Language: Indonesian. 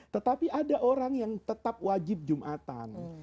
tetapi ada orang yang tetap wajib jumatan